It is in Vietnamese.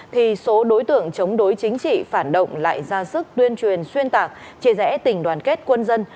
thì số đối tượng chống đối chính trị phản động lại ra sức tuyên truyền xuyên tạc chia rẽ tình đoàn kết quân dân